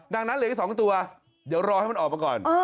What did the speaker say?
ดังนั้นเหลืออีก๒ตัวเดี๋ยวรอให้มันออกมาก่อน